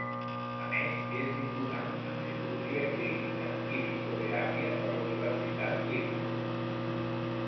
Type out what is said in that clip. A més, és diplomat en psicologia clínica i psicoteràpia per la Universitat d'Innsbruck.